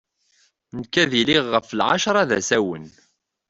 Nekk ad iliɣ ɣef lɛacra d asawen.